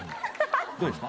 どうですか？